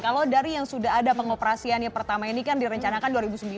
kalau dari yang sudah ada pengoperasian yang pertama ini kan direncanakan dua ribu sembilan